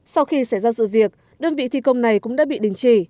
sau khi xảy ra sự việc đơn vị thi công này cũng đã bị đình chỉ